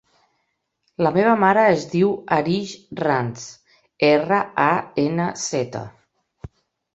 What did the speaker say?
La meva mare es diu Arij Ranz: erra, a, ena, zeta.